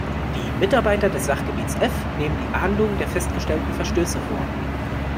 Die Mitarbeiter des Sachgebiets F nehmen die Ahndung der festgestellten Verstöße vor.